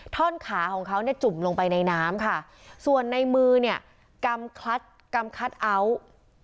ท่อนขาของเขาเนี่ยจุ่มลงไปในน้ำค่ะส่วนในมือเนี่ยกำคลัดกำคัทเอาท์